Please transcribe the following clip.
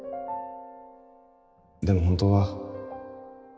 でも本当は